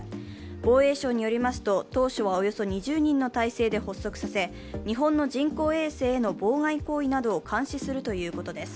防衛省によりますと、当初はおよそ２０人の体制で発足させ、日本の人工衛星への妨害行為などを監視するということです。